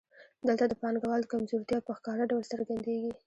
دلته د پانګوال کمزورتیا په ښکاره ډول څرګندېږي